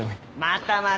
またまた。